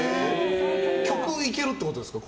曲、いけるってことですか？